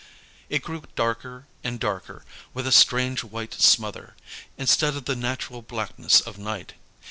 It grew darker and darker, with a strange white smother, instead of the natural blackness of night.